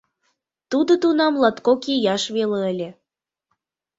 Тудо тунам латкок ияш веле ыле.